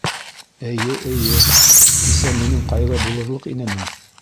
Эйе, эйе, кисә минең ҡайғы булырлыҡ инеме?